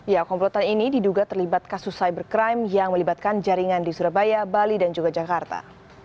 ya komplotan ini diduga terlibat kasus cybercrime yang melibatkan jaringan di surabaya bali dan juga jakarta